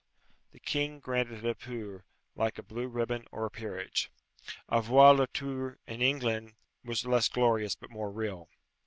The king granted le pour, like a blue ribbon or a peerage. Avoir le tour in England was less glorious but more real.